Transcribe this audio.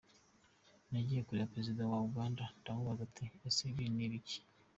Nagiye kureba Perezida wa Uganda ndamubaza nti ese ibi ni ibiki?